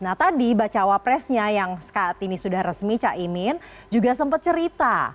nah tadi baca wapresnya yang saat ini sudah resmi caimin juga sempat cerita